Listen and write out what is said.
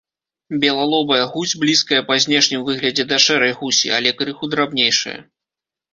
Белалобая гусь блізкая па знешнім выглядзе да шэрай гусі, але крыху драбнейшая.